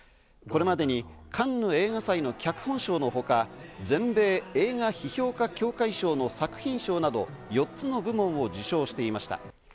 これまでにカンヌ映画祭の脚本賞のほか、全米映画批評家協会賞の作品賞など、４つの部門を受賞していました。